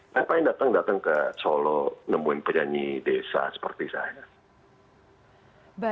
ngapain datang datang ke solo nemuin penyanyi desa seperti saya